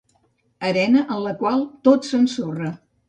Arena en la qual tot s'ensorra.